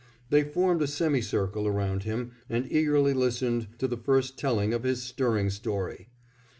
They formed a semi circle around him and eagerly listened to the first telling of his stirring story.